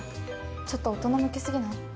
ちょっと大人向けすぎない？